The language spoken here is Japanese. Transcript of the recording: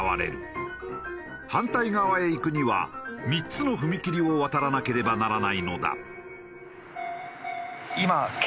反対側へ行くには３つの踏切を渡らなければならないのだ。